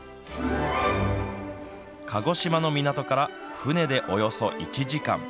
鹿児島の港から、船でおよそ１時間。